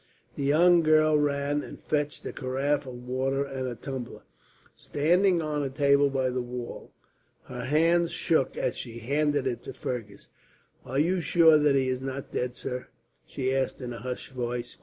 The young girl ran and fetched a carafe of water and a tumbler, standing on a table by the wall. Her hands shook as she handed it to Fergus. "Are you sure that he is not dead, sir?" she asked, in a hushed voice.